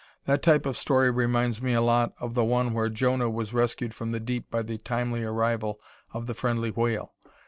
That type of story reminds me a lot of the one where Jonah was rescued from the deep by the timely arrival of the friendly whale.